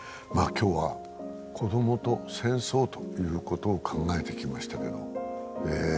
今日は子どもと戦争ということを考えてきましたけどええ